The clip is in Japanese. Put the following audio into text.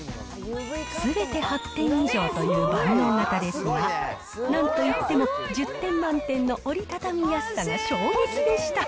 すべて８点以上という万能型ですが、なんといっても１０点満点の折りたたみやすさが衝撃でした。